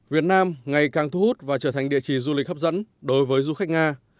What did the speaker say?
việt nam ngày càng thu hút và trở thành địa chỉ du lịch hấp dẫn đối với du khách nga